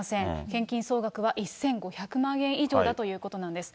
献金総額は１５００万円以上だということなんです。